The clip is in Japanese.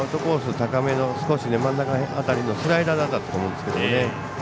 高めのスライダーだったと思うんですけどね。